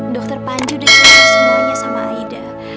dokter panji udah cerita semuanya sama aida